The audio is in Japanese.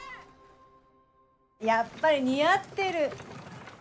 やっぱり似合ってる。